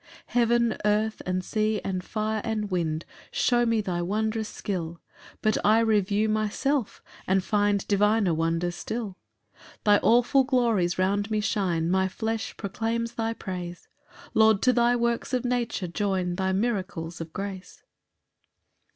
4 Heaven, earth, and sea, and fire, and wind, Shew me thy wondrous skill; But I review myself, and find Diviner wonders still. 5 Thy awful glories round me shine, My flesh proclaims thy praise; Lord, to thy works of nature join Thy miracles of grace.